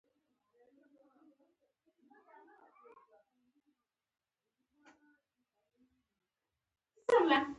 دوستانه فضا کې مذاکرات وکړي.